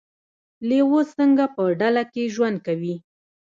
لیوه څنګه په ډله کې ژوند کوي؟